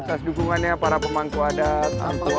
atas dukungannya para pemangku adat